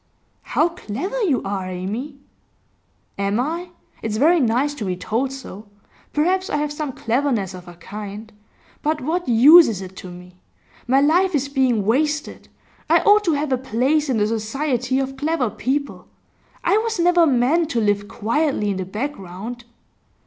'How clever you are, Amy!' 'Am I? It's very nice to be told so. Perhaps I have some cleverness of a kind; but what use is it to me? My life is being wasted. I ought to have a place in the society of clever people. I was never meant to live quietly in the background.